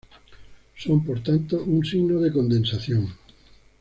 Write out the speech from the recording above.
Son, por tanto, un signo de condensación.